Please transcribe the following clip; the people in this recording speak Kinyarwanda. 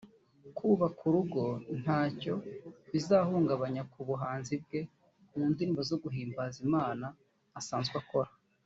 kubaka urugo ngo ntacyo bizahungabanya ku buhanzi bwe mu ndirimbo zo guhimbaza Imaa asanzwe akora